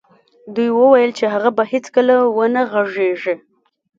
دوی ویل چې هغه به هېڅکله و نه غږېږي